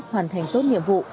hoàn thành tốt nhiệm vụ